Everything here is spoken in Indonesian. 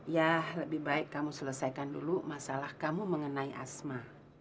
ya lebih baik kamu selesaikan dulu masalah kamu mengenai asma